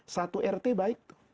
satu rt baik